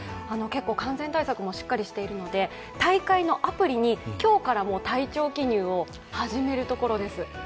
結構感染対策もしっかりしているので大会のアプリに今日から体調記入を始めるところです。